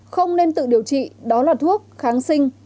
không nên tự điều trị đó là thuốc kháng sinh